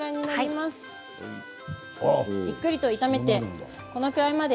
じっくりと炒めてこのくらいまで。